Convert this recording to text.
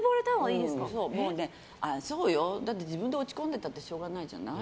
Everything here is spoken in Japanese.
だって自分で落ち込んでいたってしょうがないじゃない。